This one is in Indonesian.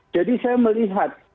jadi saya melihat